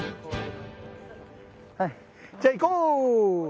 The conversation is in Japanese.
じゃあ行こう！